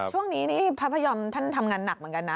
ช่วงนี้นี่พระพยอมท่านทำงานหนักเหมือนกันนะ